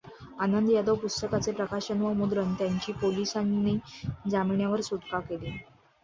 आनंद यादव पुस्तकाचे प्रकाशक व मुद्रक यांची पोलिसांनी जामिनावर सुटका केली.